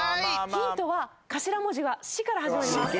ヒントは頭文字が「シ」から始まります。